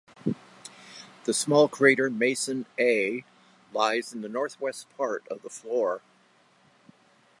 The small crater Mason A lies in the northwest part of the floor.